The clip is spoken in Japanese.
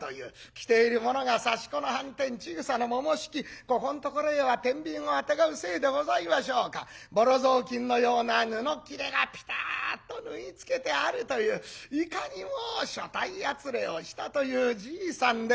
着ているものが刺し子の半纏千草のもも引きここんところへは天秤をあてがうせいでございましょうかボロぞうきんのような布っきれがピターッと縫い付けてあるといういかにも所帯やつれをしたというじいさんで。